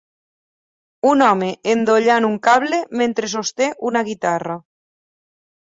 Un home endollant un cable mentre sosté una guitarra.